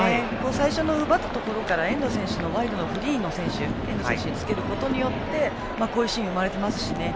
最初の奪ったところからフリーな選手が遠藤選手につけることによってこういうシーンが生まれていますしね。